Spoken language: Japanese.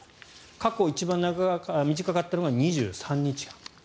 過去一番短かったのが２３日間。